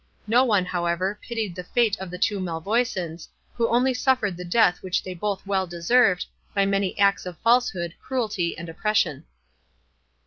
No one, however, pitied the fate of the two Malvoisins, who only suffered the death which they had both well deserved, by many acts of falsehood, cruelty, and oppression.